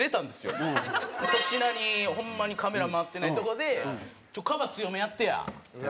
粗品にホンマにカメラ回ってないとこで「カバ強めやってや」みたいな。